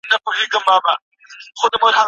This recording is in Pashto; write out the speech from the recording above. پښتو غږیزه ده.